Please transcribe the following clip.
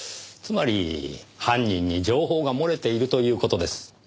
つまり犯人に情報が漏れているという事です。